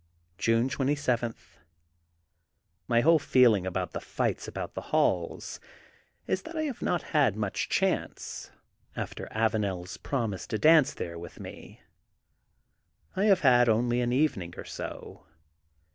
June 27 :— ^My whole feeling over the fights about the halls is that I have not had much chance, after AvanePs promise to dance there with me. I have had only an evening or so.